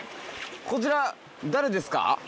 こちら誰ですか？